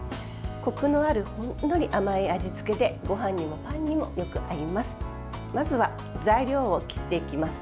こくのあるほんのり甘い味付けでごはんにもパンにもよく合います。